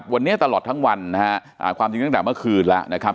วันนี้ตลอดทั้งวันนะฮะความจริงตั้งแต่เมื่อคืนแล้วนะครับ